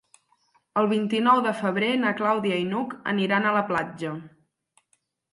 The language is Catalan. El vint-i-nou de febrer na Clàudia i n'Hug aniran a la platja.